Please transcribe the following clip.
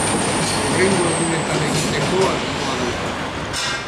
Hurrengo egunetan egiteko asmoa dauka.